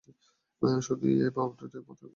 শুধু এই ভাবনটাই আমার মাথা ঘুরিয়ে দেয়।